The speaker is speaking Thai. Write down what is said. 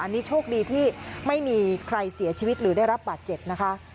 อันนี้โชคดีที่ไม่มีใครเสียชีวิตหรือได้รับบาดเจ็บนะคะ